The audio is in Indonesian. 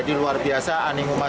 pertanian pertanian sukarman